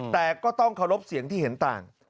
แต่ก็ต้องเคารพเสียงที่เห็นต่าง